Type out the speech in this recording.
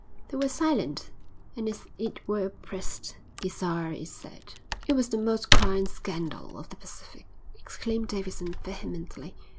They were silent and as it were oppressed. Desire is sad. "It was the most crying scandal of the Pacific," exclaimed Davidson vehemently.